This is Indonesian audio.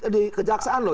di kejaksaan loh